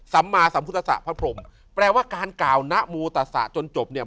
สัมมาสัมพุทธศะพระพรมแปลว่าการกล่าวณโมตสะจนจบเนี่ย